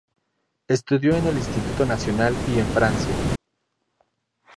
Estudió en el Instituto Nacional y en Francia.